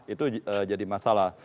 itu jadi masalah